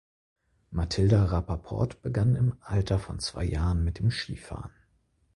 Matilda Rapaport begann im Alter von zwei Jahren mit dem Skifahren.